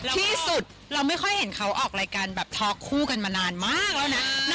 ที่สุดเราไม่ค่อยเห็นเขาออกรายการแบบท็อกคู่กันมานานมากแล้วนะ